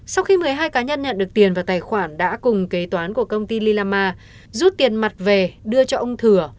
sau khi một mươi hai cá nhân nhận được tiền vào tài khoản đã cùng kế toán của công ty lilama rút tiền mặt về đưa cho ông thửa